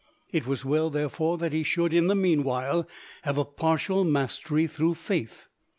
It was well, therefore, that he should, in the meanwhile, have a partial mastery through faith.